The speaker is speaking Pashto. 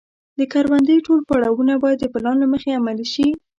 د کروندې ټول پړاوونه باید د پلان له مخې عملي شي.